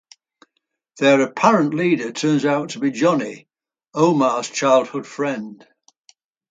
Their apparent leader turns out to be Johnny, Omar's childhood friend.